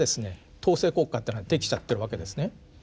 統制国家っていうのができちゃってるわけですね。